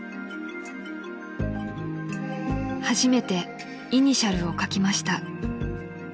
［初めてイニシャルを書きました］